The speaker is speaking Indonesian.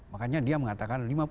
makanya dia mengatakan